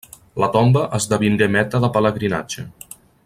La tomba esdevingué meta de pelegrinatge.